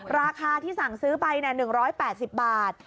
ราคาที่สั่งซื้อไป๑๘๐บาท